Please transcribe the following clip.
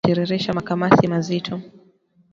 Ngombe kutiririsha makamasi mazito